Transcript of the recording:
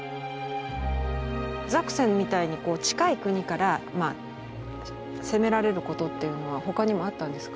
ザクセンみたいに近い国から攻められることってのはほかにもあったんですか？